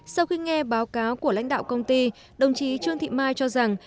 sau khi nghe báo cáo của lãnh đạo công ty đồng chí trương thị mai cho rằng